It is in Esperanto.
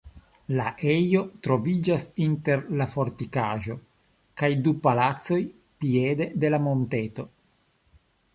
La ejo troviĝas inter la fortikaĵo kaj du palacoj piede de la monteto.